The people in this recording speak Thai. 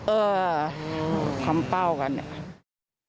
เออทำเป้ากันเนี่ย